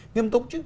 nghiêm túc chứ